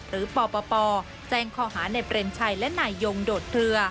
หรือปปแจ้งข้อหาในเปรมชัยและนายยงโดดเคลือ